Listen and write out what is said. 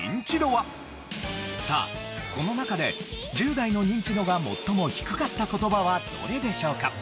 さあこの中で１０代のニンチドが最も低かった言葉はどれでしょうか？